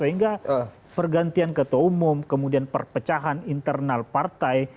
sehingga pergantian ketua umum kemudian perpecahan internal partai